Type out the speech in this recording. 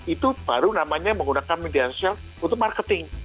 itu baru namanya menggunakan media sosial untuk marketing